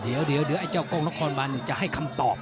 เดี๋ยวเดี๋ยวไอ้เจ้ากล้องละครบ้านนี่จะให้คำตอบ